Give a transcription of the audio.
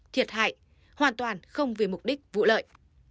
thiệt hại hoàn toàn không vì mục đích vụ lợi